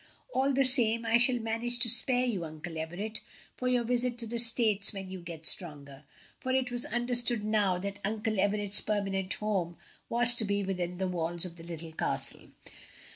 "All the same, I shall manage to spare you, Uncle Everett, for your visit to the States when you get stronger;" for it was understood now that Uncle Everett's permanent home was to be within the walls of the Little Castle.